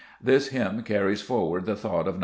This hymn carries forward the thought of No.